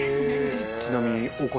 ちなみに。